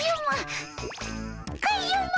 カズマ！